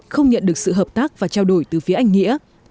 không nhận được sự hợp tác và trao đổi từ phía anh nghĩa